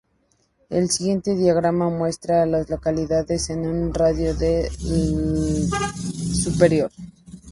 El siguiente diagrama muestra a las localidades en un radio de de Superior.